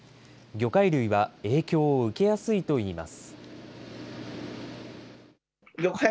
魚介類は影響を受けやすいといいます。